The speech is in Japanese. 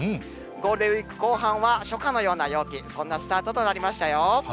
ゴールデンウィーク後半は初夏のような陽気、そんなスタートとなりましたよ。